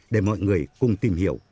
để mọi người cùng tìm hiểu